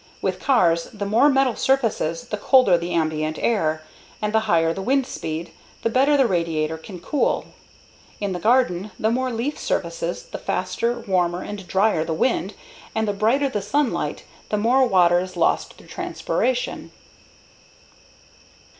With cars, the more metal surfaces, the colder the ambient air, and the higher the wind speed, the better the radiator can cool; in the garden, the more leaf surfaces, the faster, warmer, and drier the wind, and the brighter the sunlight, the more water is lost through transpiration.